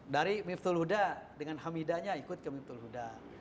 dari miftul huda dengan hamidanya ikut ke miftul huda